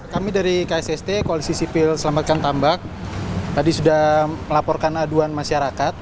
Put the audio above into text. kami dari ksst koalisi sipil selamatkan tambak tadi sudah melaporkan aduan masyarakat